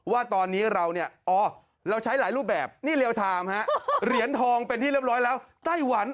ว่าตอนนี้เราใช้หลายรูปแบบนี่เรียลไทม์ฮะ